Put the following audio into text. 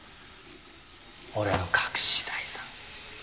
俺の隠し財産。